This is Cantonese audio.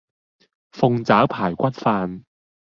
鳳爪排骨飯